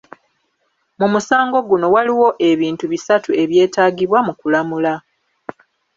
Mu musango guno waliwo ebintu bisatu ebyetaagibwa mu kulamula.